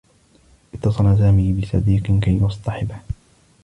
اتّصل سامي بصديق كي يصطحبه.